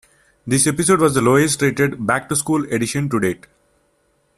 This episode was the lowest rated "Back to School" edition to-date.